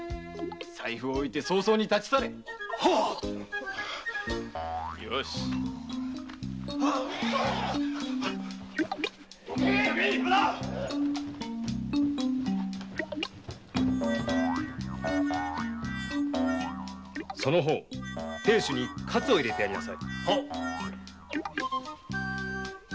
財布を置いて早々に立ち去れその方亭主に活を入れてやりなさい。